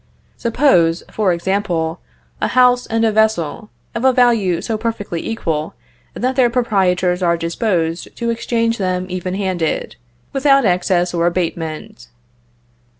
Suppose, for example, a house and a vessel of a value so perfectly equal that their proprietors are disposed to exchange them even handed, without excess or abatement.